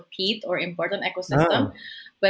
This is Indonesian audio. penting atau ekosistem yang penting